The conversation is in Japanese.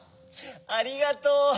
ありがとう。